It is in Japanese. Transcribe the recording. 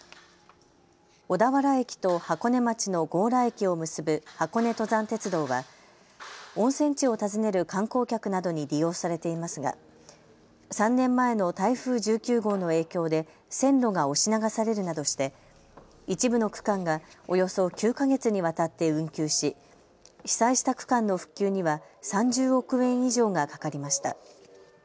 小田原駅と箱根町の強羅駅を結ぶ箱根登山鉄道は温泉地を訪ねる観光客などに利用されていますが３年前の台風１９号の影響で線路が押し流されるなどして一部の区間がおよそ９か月にわたって運休し、被災した区間の復旧には３０億円以上がかかりました。